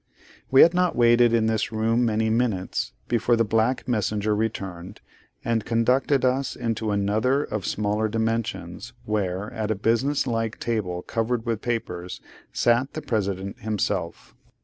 We had not waited in this room many minutes, before the black messenger returned, and conducted us into another of smaller dimensions, where, at a business like table covered with papers, sat the President himself.